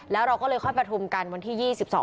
แล้วเราก็เลยค่อยประทุมกันวันที่๒๒